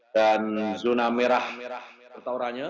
dan zona merah atau raja